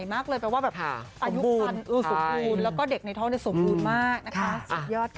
แม่สมควร